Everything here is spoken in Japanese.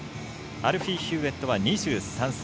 アルフィー・ヒューウェットは２３歳。